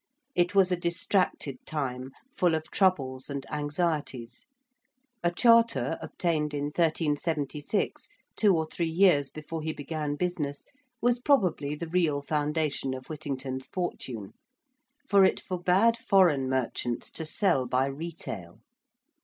It was a distracted time, full of troubles and anxieties. A Charter obtained in 1376, two or three years before he began business, was probably the real foundation of Whittington's fortune. For it forbade foreign merchants to sell by retail.